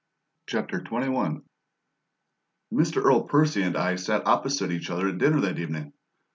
CHAPTER XXI Mr. Earl Percy and I sat opposite each other at dinner that evening.